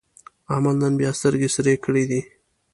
احمد نن بیا سترګې سرې کړې دي.